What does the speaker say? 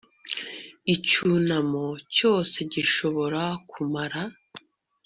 Icyunamo cyose gishobora kumara